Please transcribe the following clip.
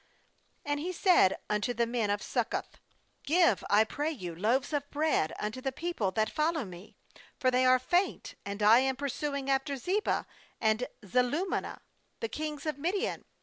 5And he said un to the men of Succoth: 'Give, I pray you, loaves of bread unto the people that follow me; for they are faint, and I am pursuing after Zebah and Zal munna, the kings of Midian.'